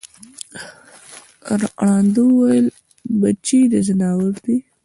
ړانده وویل بچی د ځناور دی